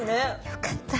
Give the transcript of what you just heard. よかった。